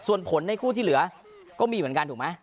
ส่วนผลในคู่ที่เหลือก็มีเหมือนกันถูกไหม